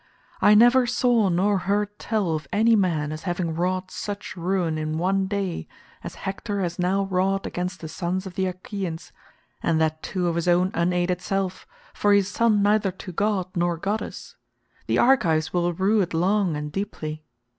I never saw nor heard tell of any man as having wrought such ruin in one day as Hector has now wrought against the sons of the Achaeans—and that too of his own unaided self, for he is son neither to god nor goddess. The Argives will rue it long and deeply.